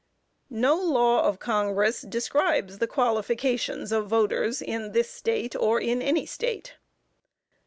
No law of Congress describes the qualifications of voters in this State, or in any State.